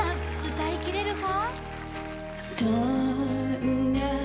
歌いきれるか？